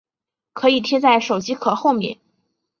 可以贴在手机壳后面